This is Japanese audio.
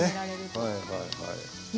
はいはいはい。